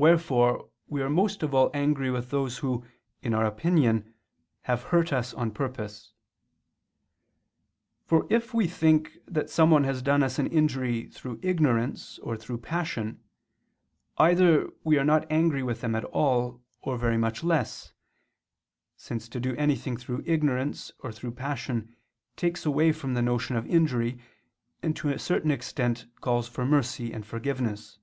Wherefore we are most of all angry with those who, in our opinion, have hurt us on purpose. For if we think that some one has done us an injury through ignorance or through passion, either we are not angry with them at all, or very much less: since to do anything through ignorance or through passion takes away from the notion of injury, and to a certain extent calls for mercy and forgiveness.